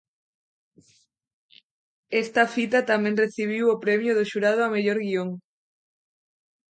Esta fita tamén recibiu o premio do xurado a mellor guión.